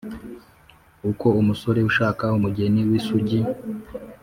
uko umusore ashaka umugeni w’isugi,